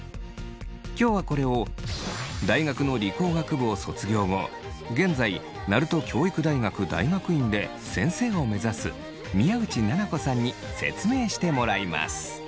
今日はこれを大学の理工学部を卒業後現在鳴門教育大学大学院で先生を目指す宮内菜々子さんに説明してもらいます。